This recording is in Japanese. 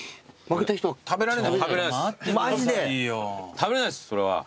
食べれないですそれは。